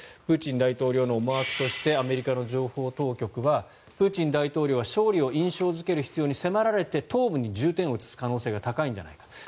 プーチン大統領の思惑としてアメリカの情報当局はプーチン大統領が勝利を印象付ける必要に迫られて東部に重点を移す可能性が高いのではないか。